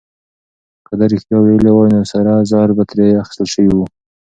که ده رښتيا ويلي وای، نو سره زر به ترې اخيستل شوي وو.